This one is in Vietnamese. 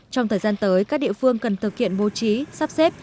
trong thời gian tới các địa phương cần thực hiện bố trí sắp xếp